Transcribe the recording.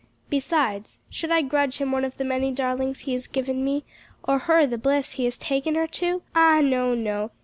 Besides should I grudge him one of the many darlings he has given me? or her the bliss he has taken her to? Ah no, no!